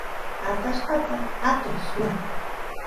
atallpasta atoq swan